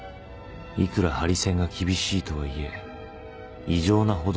いくらハリセンが厳しいとはいえ異常なほどの拒否反応